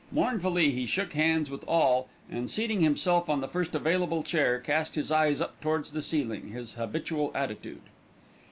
Mournfully he shook hands with all and, seating himself on the first available chair, cast his eyes up towards the ceiling, his habitual attitude.